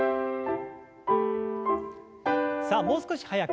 さあもう少し速く。